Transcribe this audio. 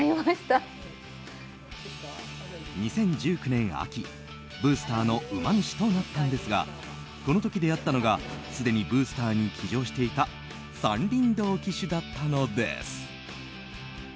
２０１９年秋、ブースターの馬主となったんですがこの時、出会ったのがすでにブースターに騎乗していた山林堂騎手だったんです。